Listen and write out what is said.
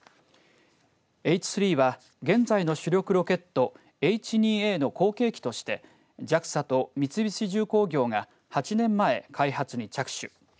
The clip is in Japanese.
Ｈ３は現在の主力ロケットＨ２Ａの後継機としてＪＡＸＡと三菱重工業が８年前開発に着手。